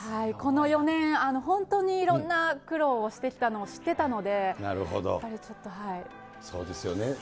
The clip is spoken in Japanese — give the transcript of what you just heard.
この４年、本当にいろんな苦労をしてきたのを知ってたので、やっぱりちょっそうですよね。